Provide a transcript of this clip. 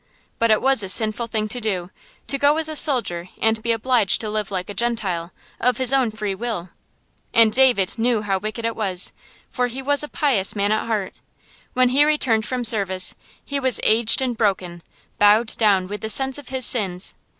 But it was a sinful thing to do, to go as a soldier and be obliged to live like a Gentile, of his own free will. And David knew how wicked it was, for he was a pious man at heart. When he returned from service, he was aged and broken, bowed down with the sense of his sins.